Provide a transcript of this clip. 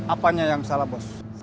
apanya yang salah bos